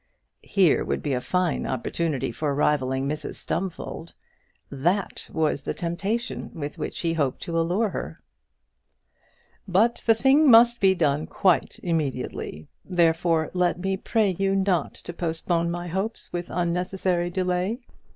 Here would be a fine opportunity for rivalling Mrs Stumfold! That was the temptation with which he hoped to allure her. But the thing must be done quite immediately; therefore let me pray you not to postpone my hopes with unnecessary delay.